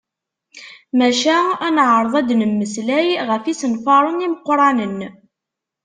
Maca ad neɛreḍ ad d-nemmeslay ɣef yisenfaren imeqqranen.